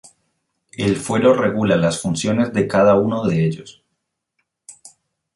El fuero regula las funciones de cada uno de ellos.